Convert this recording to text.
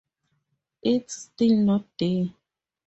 It's still not there.